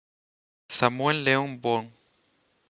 Samuel Leon Bowie.